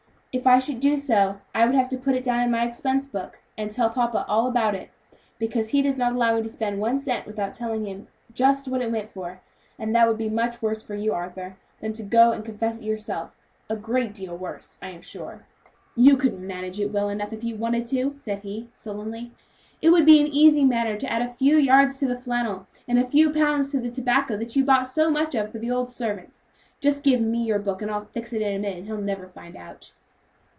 "If I should do so, I would have to put it down in my expense book, and tell papa all about it, because he does not allow me to spend one cent without telling him just what it went for; and that would be much worse for you, Arthur, than to go and confess it yourself a great deal worse, I am sure." "You could manage it well enough, if you wanted to," said he, sullenly; "it would be an easy matter to add a few yards to the flannel, and a few pounds to the tobacco that you bought so much of for the old servants. Just give me your book, and I'll fix it in a minute, and he'll never find it out."